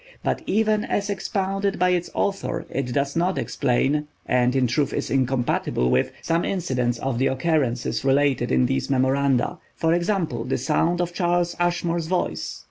But even as expounded by its author it does not explain, and in truth is incompatible with some incidents of, the occurrences related in these memoranda: for example, the sound of Charles Ashmore's voice.